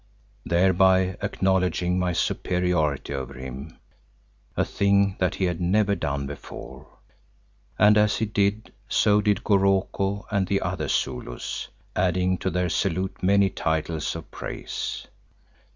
_), thereby acknowledging my superiority over him, a thing that he had never done before, and as he did, so did Goroko and the other Zulus, adding to their salute many titles of praise.